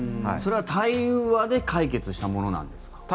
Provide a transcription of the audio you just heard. それは対話で解決したものなんですか？